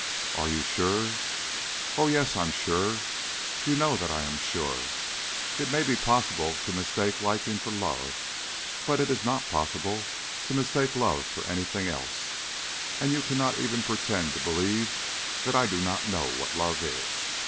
"Are you sure?" "Oh, yes, I am sure! You know that I am sure. It may be possible to mistake liking for love, but it is not possible to mistake love for anything else. And you cannot even pretend to believe that I do not know what love is."